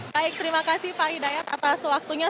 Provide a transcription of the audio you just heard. baik terima kasih pak hidayat atas waktunya